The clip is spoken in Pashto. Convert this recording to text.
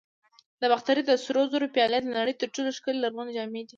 د باختر د سرو زرو پیالې د نړۍ تر ټولو ښکلي لرغوني جامونه دي